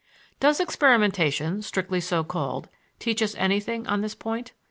Does experimentation, strictly so called, teach us anything on this point?